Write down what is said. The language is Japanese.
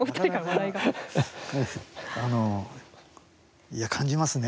あの、いや、感じますね。